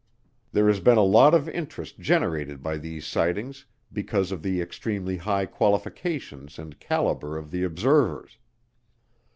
There has been a lot of interest generated by these sightings because of the extremely high qualifications and caliber of the observers.